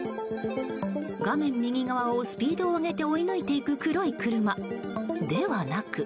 画面右側を、スピードを上げて追い抜いていく黒い車。ではなく。